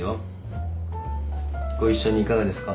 ご一緒にいかがですか？